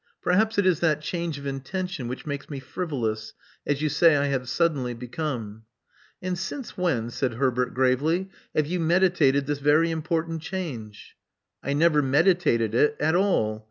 Perhaps it is that change of intention which makes me frivolous, as you say I have suddenly become.*' '*And since when," said Herbert, gravely, "have you meditated this very important change? "I never meditated it at all.